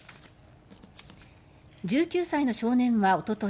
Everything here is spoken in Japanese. １９歳の少年はおととい